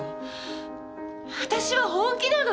私は本気なのよ。